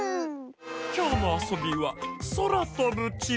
きょうのあそびは「そらとぶチラッと」。